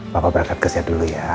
papa berangkat ke siap dulu ya